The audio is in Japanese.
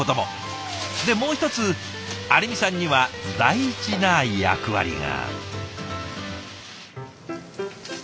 でもう一つ有美さんには大事な役割が。